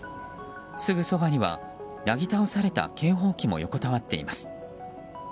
すぐそばにはなぎ倒された警報器も横たわっています。